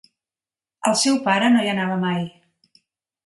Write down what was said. El seu pare no hi anava mai.